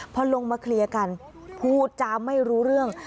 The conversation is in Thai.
พอลงมาเคลียร์กันพูดจาไม่รู้เรื่อง